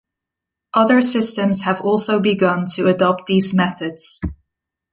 Other systems have also begun to adopt these methods.